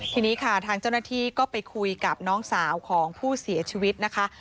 ทีนี้ค่ะทางเจ้าหน้าที่ก็ไปคุยกับน้องสาวของผู้เสียชีวิตนะคะ